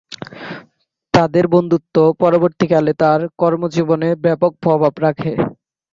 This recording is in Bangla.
তাদের বন্ধুত্ব পরবর্তীকালে তার কর্মজীবনে ব্যাপক প্রভাব রাখে।